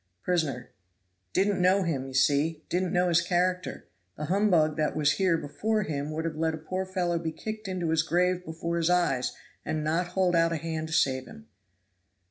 Prisoner. "Didn't know him, you see didn't know his character; the humbug that was here before him would have let a poor fellow be kicked into his grave before his eyes, and not hold out a hand to save him."